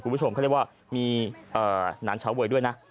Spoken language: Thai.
คุณผู้ชมเขาเรียกว่ามีนานชาวเวยด้วยนะ